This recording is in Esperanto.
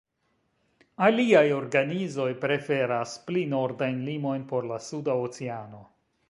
Aliaj organizoj preferas pli nordajn limojn por la Suda Oceano.